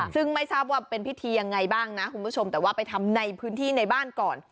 ซึ่งไม่ทราบว่าเป็นพิธียังไงบ้างนะคุณผู้ชมแต่ว่าไปทำในพื้นที่ในบ้านก่อน